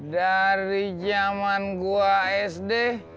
dari zaman gue sd